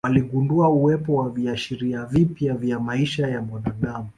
Waligundua uwepo wa viashiria vipya vya maisha ya mwanadamu